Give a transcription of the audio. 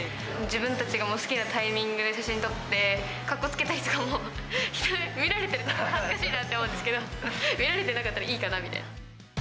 自分たちが好きなタイミングで写真撮って、格好つけたりとかも、人に見られてたら恥ずかしいなと思うんですけど、見られてなかったらいいかなみたいな。